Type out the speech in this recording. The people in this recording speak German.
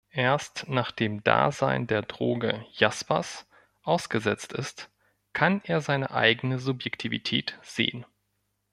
Erst nachdem Dasein der Droge „Jaspers“ ausgesetzt ist, kann er seine eigene Subjektivität sehen.